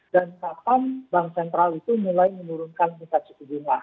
dan kapan bank sentral itu mulai menurunkan siku bunga